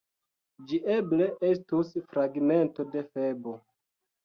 Ĝi eble estus fragmento de Febo.